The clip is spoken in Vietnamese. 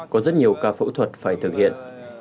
có rất nhiều ca phẫu thuật phải thực hiện